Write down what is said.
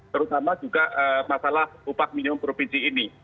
terus sama juga masalah upah minyum provinsi ini